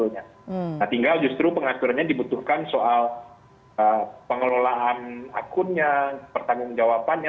nah tinggal justru pengaturannya dibutuhkan soal pengelolaan akunnya pertanggung jawabannya